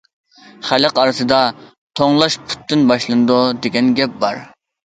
خەلق ئارىسىدا« توڭلاش پۇتتىن باشلىنىدۇ» دېگەن گەپ بار.